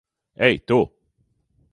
Ei, tu!